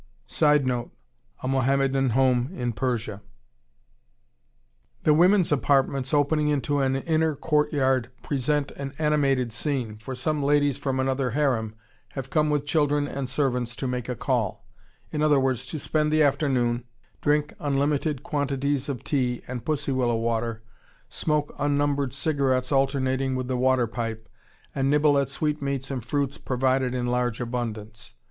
[Sidenote: A Mohammedan home in Persia.] The women's apartments opening onto an inner court yard present an animated scene, for some ladies from another harem have come with children and servants to make a call; i.e., to spend the afternoon, drink unlimited quantities of tea and pussy willow water, smoke unnumbered cigarettes alternating with the water pipe, and nibble at sweetmeats and fruits provided in large abundance.